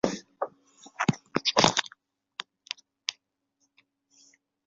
项目由兴业建筑师有限公司设计。